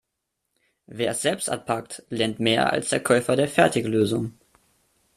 Wer es selbst anpackt, lernt mehr als der Käufer der Fertiglösung.